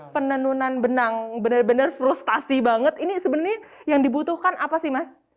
penenunan benang benar benar frustasi banget ini sebenarnya yang dibutuhkan apa sih mas